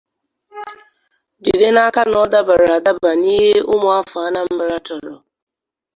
jide n'aka na ọ dabara adaba n'ihe ụmụafọ Anambra chọrọ